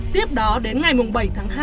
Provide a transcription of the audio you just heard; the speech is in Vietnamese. tiếp đó đến ngày bảy tháng hai